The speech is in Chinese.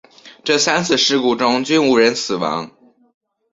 这三次事故中均无人死亡。